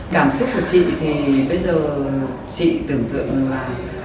cảm xúc của chị thì bây giờ chị tưởng tượng là